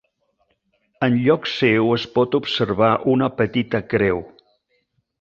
Enlloc seu es pot observar una petita creu.